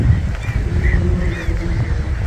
এই জন্যই ধ্রুপদি গানের চর্চা করেন।